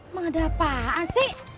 emang ada apaan sih